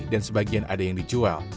dan sebagian ada yang dijual